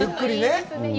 ゆっくりね。